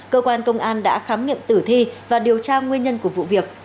cơ quan công an đã khám nghiệm tử thi và điều tra nguyên nhân của vụ việc